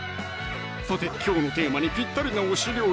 さてきょうのテーマにぴったりな推し料理